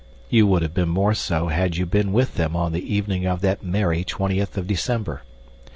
You would have been more so had you been with them on the evening of that merry twentieth of December.